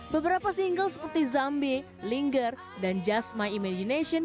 beberapa single seperti zumbie linger dan just my imagination